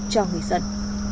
cho người dân